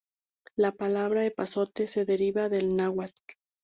La palabra "epazote" se deriva del náhuatl.